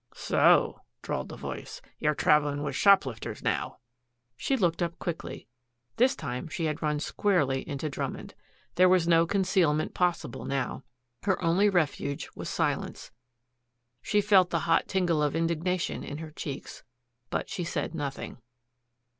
"So," drawled a voice, "you're traveling with shoplifters now." She looked up quickly. This time she had run squarely into Drummond. There was no concealment possible now. Her only refuge was silence. She felt the hot tingle of indignation in her cheeks. But she said nothing.